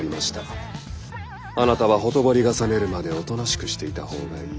あなたはほとぼりが冷めるまでおとなしくしていた方がいい。